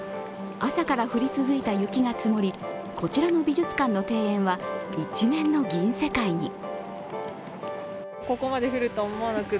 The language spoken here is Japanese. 朝から降り続いた雪が積もり、こちらの美術館の庭園は一面の銀世界に。